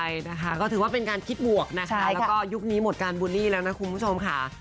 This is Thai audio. ใช่นะคะก็ถือว่าเป็นการคิดบวกนะคะแล้วก็ยุคนี้หมดการบูลลี่แล้วนะคุณผู้ชมค่ะ